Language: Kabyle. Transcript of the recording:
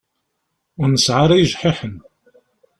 Ur nesɛi ara ijḥiḥen.